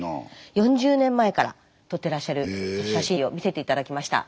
４０年前から撮ってらっしゃる写真を見せて頂きました。